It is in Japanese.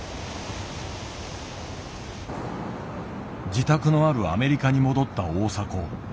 自宅のあるアメリカに戻った大迫。